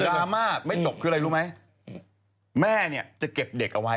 ราม่าไม่จบคืออะไรรู้ไหมแม่เนี่ยจะเก็บเด็กเอาไว้